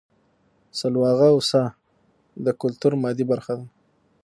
سلواغه او څا د کولتور مادي برخه ده